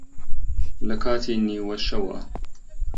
لە کاتی نیوەشەوا